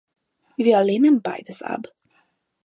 Wir lehnen beides ab.